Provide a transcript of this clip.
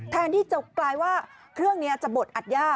แทนที่จะกลายว่าเครื่องนี้จะบดอัดย่า